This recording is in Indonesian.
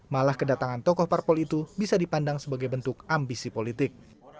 malah kedatangan tokoh parpol itu bisa dipandang sebagai bentuk ambisi politik